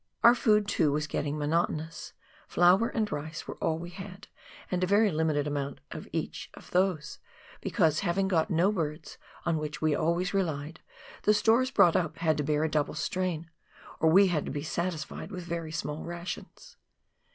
Our food, too, was getting monotonous — flour and rice were all we had, and a very limited amount even of that, because, having got no birds, on which we always relied, the stores brought up had to bear a double strain, or we had to be satisfied with very small rations.